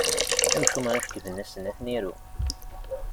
Amcum i ɣ-icekben ass-n ad ten-iru.